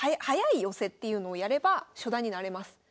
速い寄せっていうのをやれば初段になれます。